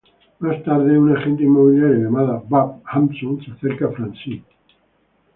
Más tarde, una agente inmobiliaria, llamada Barb Hanson, se acerca a Francine.